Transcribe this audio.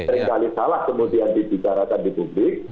tidak sekali salah kemudian dicarakan di publik